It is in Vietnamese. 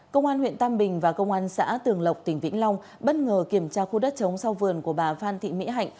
công an huyện tam bình và công an xã tường lộc tỉnh vĩnh long bất ngờ kiểm tra khu đất chống sau vườn của bà phan thị mỹ hạnh